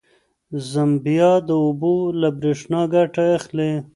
زمبیا د اوبو له برېښنا ګټه اخلي.